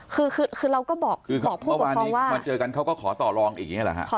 คือคือคือเราก็บอกบอกผู้บอกเขาว่าเมื่อวานนี้มาเจอกันเขาก็ขอต่อลองอีกอย่างนี้แหละฮะ